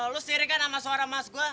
lo sendiri kan sama suara mas gua